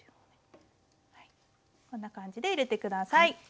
こんな感じで入れて下さい。